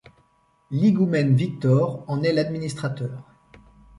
L'higoumène Victor en est l'administrateur.